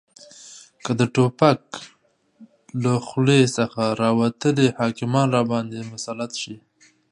که د توپک له خولې څخه راوتلي حاکمان راباندې مسلط شي